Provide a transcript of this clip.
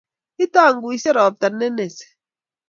Itangusieng’ ropta ne inesi